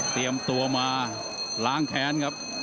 เตรียมตัวมาล้างแค้นครับ